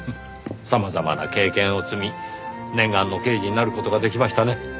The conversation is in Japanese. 様々な経験を積み念願の刑事になる事が出来ましたね。